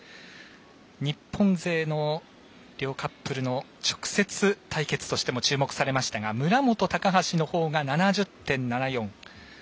日本勢の両カップルの直接対決としても注目されましたが村元、高橋のほうが７０．７４。